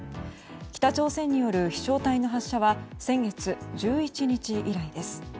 北朝鮮による飛翔体の発射は先月１１日以来です。